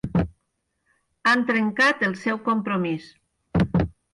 Han trencat el seu compromís.